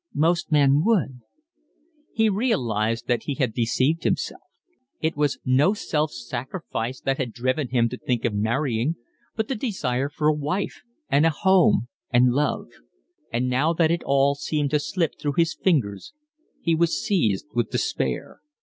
Most men would." He realised that he had deceived himself; it was no self sacrifice that had driven him to think of marrying, but the desire for a wife and a home and love; and now that it all seemed to slip through his fingers he was seized with despair.